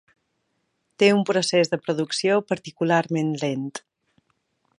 Té un procés de producció particularment lent.